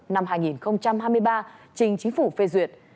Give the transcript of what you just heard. năm hai nghìn hai mươi ba trình chính phủ phê duyệt